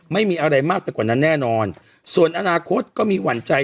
ไม่มีอะไรมากไปกว่านั้นแน่นอนส่วนอนาคตก็มีหวั่นใจ